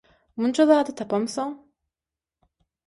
Munça zady tapamsoň...